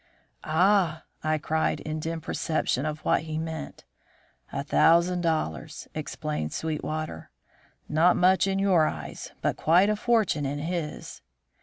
"Ah!" I cried, in dim perception of what he meant. "A thousand dollars," explained Sweetwater. "Not much in your eyes, but quite a fortune in his."